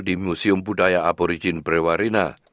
di museum budaya aborigin brewarina